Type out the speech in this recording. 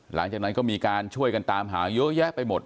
หลังจากนั้นก็มีการช่วยกันตามหาเยอะแยะไปหมด